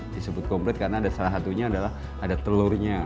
disebut komplet karena salah satunya adalah ada telurnya